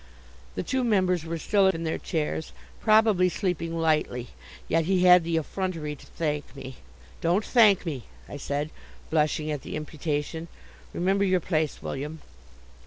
The two members were still in their chairs, probably sleeping lightly; yet he had the effrontery to thank me. "Don't thank me," I said, blushing at the imputation. "Remember your place, William!"